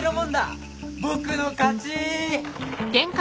僕の勝ち！